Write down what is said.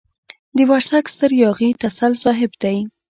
د ورسک ستر ياغي تسل صاحب دی.